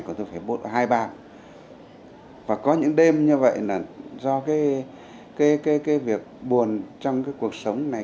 còn tôi phải bột hai bao và có những đêm như vậy là do cái việc buồn trong cuộc sống này